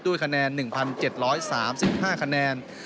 ด้วยคะแนน๑๗๓๕คะแนน